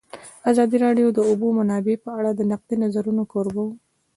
ازادي راډیو د د اوبو منابع په اړه د نقدي نظرونو کوربه وه.